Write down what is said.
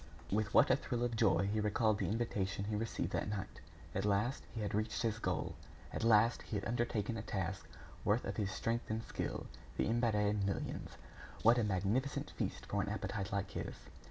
With what a thrill of joy he recalled the invitation he received that night! At last, he had reached his goal! At last, he had undertaken a task worthy of his strength and skill! The Imbert millions! What a magnificent feast for an appetite like his!